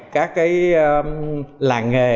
các cái làng nghề